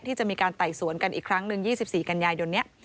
ที่จะมีการไต่สวนกันอีกครั้งหนึ่ง๒๔กันยายนนี้